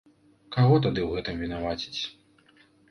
Каго тады ў гэтым вінаваціць?